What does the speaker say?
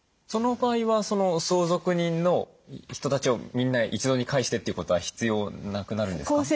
その場合は相続人の人たちをみんな一堂に会してっていうことは必要なくなるんですか？